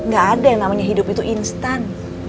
gak ada yang namanya hidup itu instan